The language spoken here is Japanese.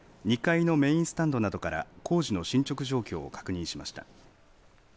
一行は２階のメインスタンドなどから工事の進捗状況を確認しました。